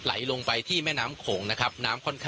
ตอนนี้ผมอยู่ในพื้นที่อำเภอโขงเจียมจังหวัดอุบลราชธานีนะครับ